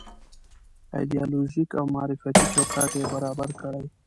ایدیالوژيک او معرفتي چوکاټ یې برابر کړی.